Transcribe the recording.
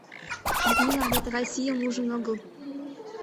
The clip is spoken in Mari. Людмила але тыгай сийым ужын огыл.